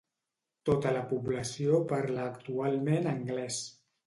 Tota la població parla actualment anglès.